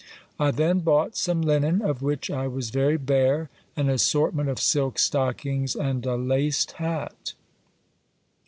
I then bought some linen, of which I was very bare ; an assortment of silk stockings, and a laced hat.